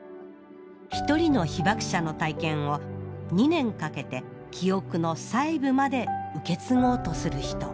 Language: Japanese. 一人の被爆者の体験を２年かけて記憶の細部まで受け継ごうとする人。